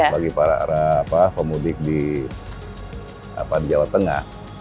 bagi para pemudik di jawa tengah